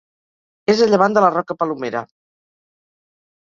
És a llevant de la Roca Palomera.